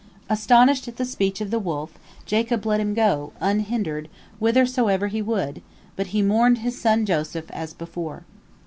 Astonished at the speech of the wolf, Jacob let him go, unhindered, whithersoever he would, but he mourned his son Joseph as before.